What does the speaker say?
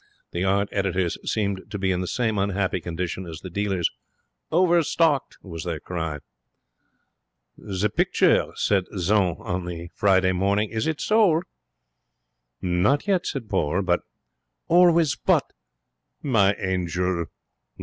The art editors seemed to be in the same unhappy condition as the dealers. 'Overstocked!' was their cry. 'The picture?' said Jeanne, on the Friday morning. 'Is it sold?' 'Not yet,' said Paul, 'but ' 'Always but!' 'My angel!'